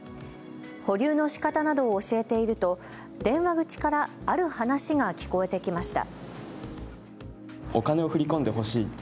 保留のしかたなどを教えていると電話口からある話が聞こえてきました。